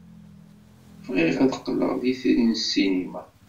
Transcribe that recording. Bɣiɣ ad qqleɣ d itri n ssinima.